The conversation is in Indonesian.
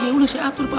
iya udah saya atur pak